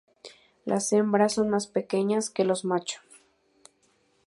Las hembras son más pequeñas que los machos.